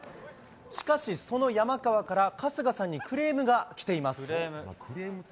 しかし、その山川から、春日さんにクレームが来ています。